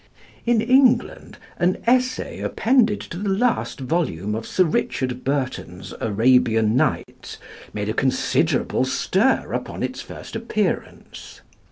In England an Essay appended to the last volume of Sir Richard Burton's "Arabian Nights" made a considerable stir upon its first appearance.